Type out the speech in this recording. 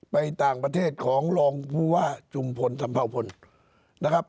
ไปต่างประเทศของรองผู้ว่าจุมพลสัมภาวพลนะครับ